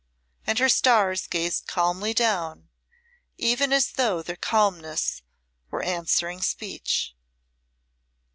And her stars gazed calmly down, even as though their calmness were answering speech.